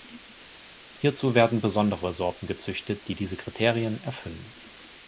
Hierzu werden besondere Sorten gezüchtet, die diese Kriterien erfüllen.